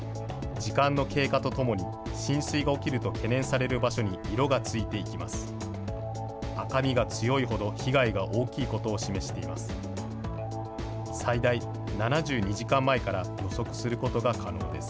時間の経過とともに、浸水が起きると懸念される場所に色がついていきます。